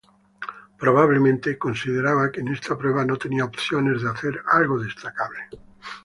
Probablemente consideraba que en esta prueba no tenía opciones de hacer algo destacable.